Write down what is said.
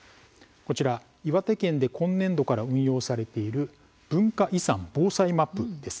岩手県で今年度から運用されている文化遺産防災マップです。